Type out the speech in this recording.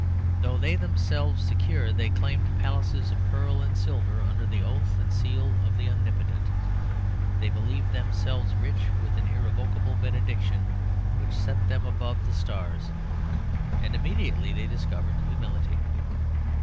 They thought themselves secure; they claimed palaces of pearl and silver under the oath and seal of the Omnipotent; they believed themselves rich with an irrevocable benediction which set them above the stars; and immediately they discovered humility.